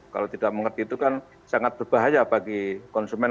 kalau tidak mengerti itu kan sangat berbahaya bagi konsumen